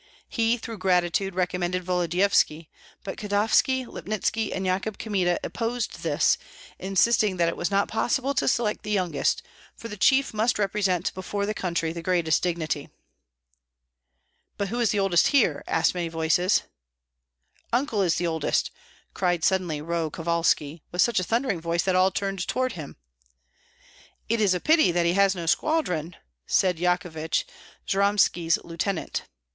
He, through gratitude, recommended Volodyovski; but Kotovski, Lipnitski, and Yakub Kmita opposed this, insisting that it was not possible to select the youngest, for the chief must represent before the country the greatest dignity. "But who is the oldest here?" asked many voices. "Uncle is the oldest," cried suddenly Roh Kovalski, with such a thundering voice that all turned toward him. "It is a pity that he has no squadron!" said Yahovich, Jyromski's lieutenant.